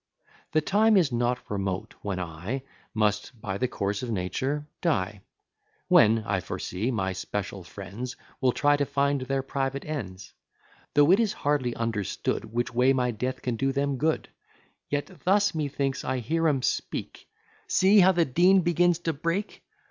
The time is not remote, when I Must by the course of nature die; When, I foresee, my special friends Will try to find their private ends: Tho' it is hardly understood Which way my death can do them good, Yet thus, methinks, I hear 'em speak: "See, how the Dean begins to break!